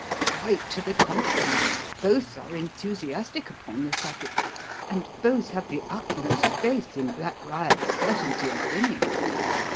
"Quite to the contrary. Both are enthusiastic upon the subject, and both have the utmost faith in Black Riot's certainty of winning.